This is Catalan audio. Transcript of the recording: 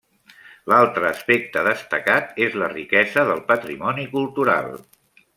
L'altre aspecte destacat és la riquesa del patrimoni cultural.